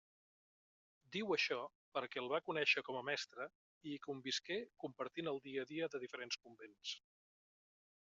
Diu això perquè el va conéixer com a mestre i hi convisqué compartint el dia a dia de diferents convents.